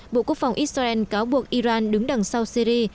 bộ quốc phòng israel cáo buộc iran đứng đằng sau syri